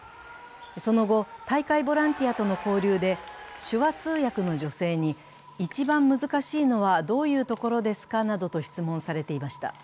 その後、大会ボランティアとの交流で、手話通訳の女性に、一番難しいのはどういうところですかなどと質問されていました。